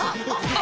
あ。